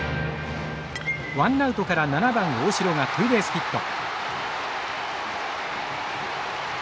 ワンナウトから７番大城がツーベースヒット。